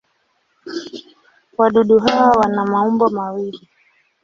Wadudu hawa wana maumbo mawili.